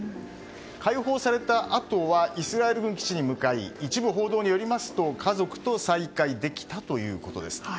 解放されたあとはイスラエル軍基地に向かい一部報道によりますと家族と再会できたということです。